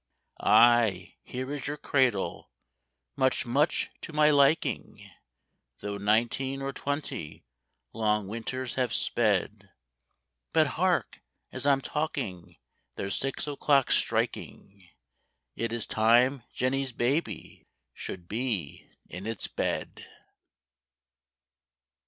Aye, here is your cradle! much, much to my liking, Though nineteen or twenty long winters have sped; But, hark! as I'm talking there's six o'clock striking, It is time JENNY'S BABY should be in its bed!